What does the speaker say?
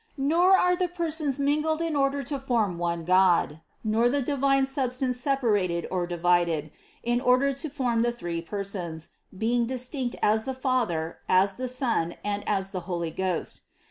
Nor are the Persons mingled in order to form one God, nor the divine sub stance separated or divided in order to form three Per sons, being distinct as the Father, as the Son and as the 48 CITY OF GOD Holy Ghost.